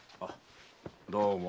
どうも。